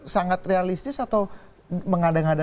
sangat realistis atau mengada ngada